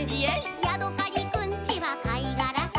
「ヤドカリくんちはかいがらさ」